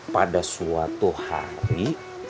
pada suatu hari